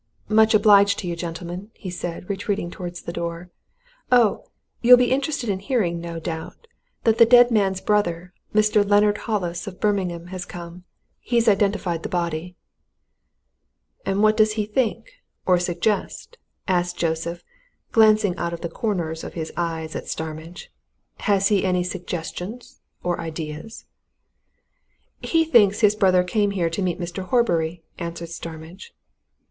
"Much obliged to you, gentlemen," he said, retreating towards the door. "Oh! you'll be interested in hearing, no doubt, that the dead man's brother, Mr. Leonard Hollis, of Birmingham, has come. He's identified the body." "And what does he think, or suggest?" asked Joseph, glancing out of the corners of his eyes at Starmidge. "Has he any suggestions or ideas?" "He thinks his brother came here to meet Mr. Horbury," answered Starmidge.